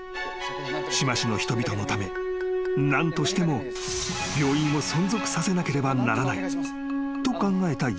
［志摩市の人々のため何としても病院を存続させなければならないと考えた悠太だったが］